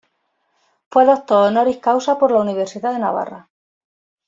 Fue doctor "honoris causa" por la universidad de Navarra.